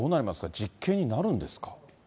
実刑になるんですか。